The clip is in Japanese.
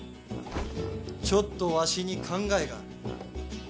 ちょっとわしに考えがある。